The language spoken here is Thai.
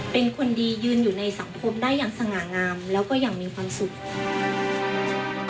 เป็นคนดียืนอยู่ในสังคมได้อย่างสง่างามแล้วก็อย่างมีความสุขค่ะ